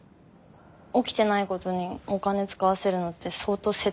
起きてないことにお金使わせるのって相当説得力いるから。